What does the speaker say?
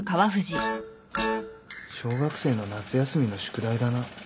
小学生の夏休みの宿題だな。